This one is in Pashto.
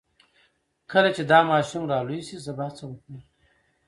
کله چې دا ماشوم را لوی شي زه به هڅه وکړم